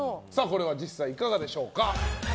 実際いかがでしょうか。